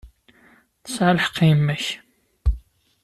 Tesɛa lḥeqq yemma-k.